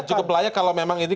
dan cukup layak kalau memang ini